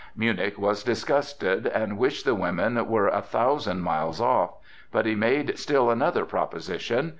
Münnich was disgusted and wished the women were a thousand miles off; but he made still another proposition.